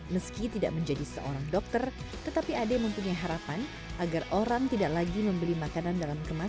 meski tidak menjadi seorang dokter tetapi ade mempunyai harapan agar orang tidak lagi membeli makanan dalam kemasan